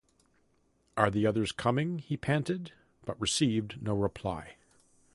“Are the others coming?” he panted, but received no reply.